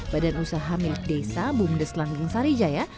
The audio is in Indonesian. badan usaha milik desa bumdes langgung sarijaya